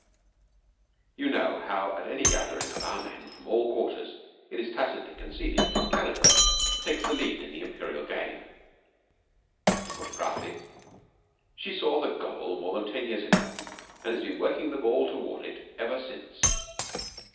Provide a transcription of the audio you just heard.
You know how at any gathering of our men from all quarters it is tacitly conceded that Canada takes the lead in the Imperial game. To put it roughly, she saw the goal more than ten years ago, and has been working the ball toward it ever since.